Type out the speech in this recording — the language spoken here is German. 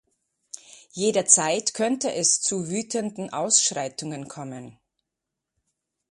Jederzeit könnte es zu wütenden Ausschreitungen kommen.